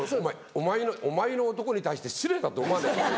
お前の男に対して失礼だと思わない？